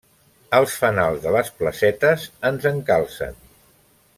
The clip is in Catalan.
Els fanals de les placetes ens encalcen.